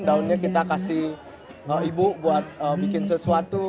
daunnya kita kasih ibu buat bikin sesuatu